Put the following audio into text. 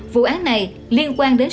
vụ án này liên quan đến